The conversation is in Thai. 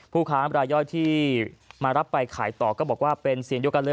ผู้ค้ารายย่อยที่มารับไปขายต่อก็บอกว่าเป็นเสียงเดียวกันเลย